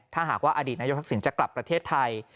ถ้าหากว่าอดีตนายกทักษิณจะกลับประเทศไทย